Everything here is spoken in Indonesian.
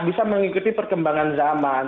bisa mengikuti perkembangan zaman